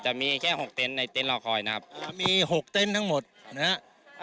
จะมีแค่หกเต้นในเต้นรอคอยนะครับอ่ามีหกเต้นทั้งหมดนะฮะ